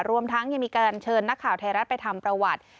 รวมทั้งยังมีการเชิญนักข่าวไทยรัฐไปทำประวัติ